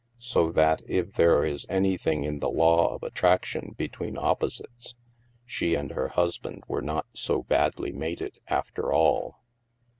So that, if there is anything in the law of attraction between opposites, she and her husband were not so badly mated, after all.